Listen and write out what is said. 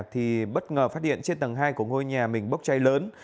thì bất ngờ phát điện trên tầng hai của ngôi nhà mình bốc cháy lớn